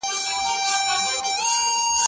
زه پرون د ښوونځی لپاره تياری کوم؟!